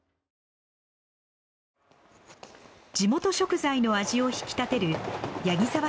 地元食材の味を引き立てる八木澤